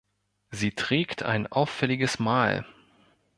Sie trägt ein auffälliges Mal.